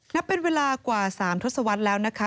นับเป็นเวลากว่า๓ทศวรรษแล้วนะคะ